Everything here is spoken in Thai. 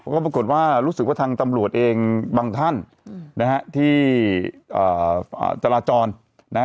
ก็ปรากฏว่ารู้สึกว่าทางตำรวจเองบางท่านนะฮะที่จราจรนะฮะ